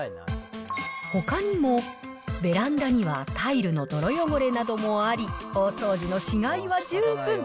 ほかにも、ベランダにはタイルの泥汚れなどもあり、大掃除のしがいは十分。